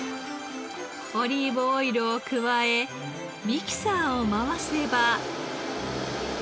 オリーブオイルを加えミキサーを回せば。